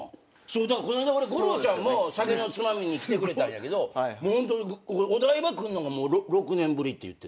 この間吾郎ちゃんも『酒のツマミ』に来てくれたんやけどもうホントお台場来んのも６年ぶりって言ってた。